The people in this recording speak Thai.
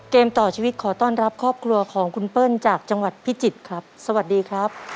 เกมต่อชีวิตขอต้อนรับครอบครัวของคุณเปิ้ลจากจังหวัดพิจิตรครับสวัสดีครับ